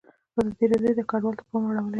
ازادي راډیو د کډوال ته پام اړولی.